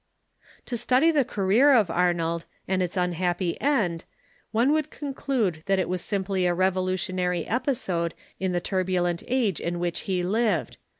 To study the career of Arnold, and its unhappy end, one would conclude that it Avas simply a revolutionary cj^isode in the turbulent age in which he lived.